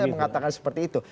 bisa mengatakan seperti itu